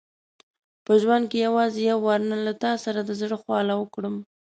په ژوند کې یوازې یو وار نن له تا سره د زړه خواله وکړم.